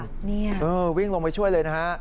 นี่ค่ะห้ิววิ่งลงมาช่วยเลยนะฮะ